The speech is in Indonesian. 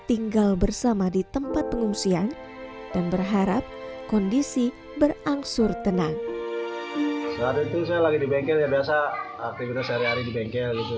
ini sudah mulai tapi seorang